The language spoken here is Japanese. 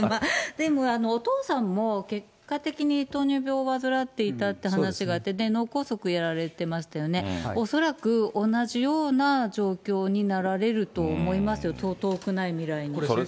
でもお父さんも結果的に糖尿病を患っていたという話があって、脳梗塞やられてましたよね、恐らく同じような状況になられると思いますよ、そう遠くない未来に。